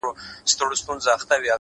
خدایه نور یې د ژوندو له کتار باسه _